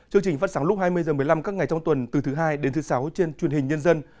chương trình phát sóng lúc hai mươi h một mươi năm các ngày trong tuần từ thứ hai đến thứ sáu trên truyền hình nhân dân